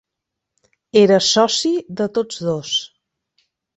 Era soci de tots dos.